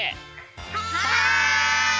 はい！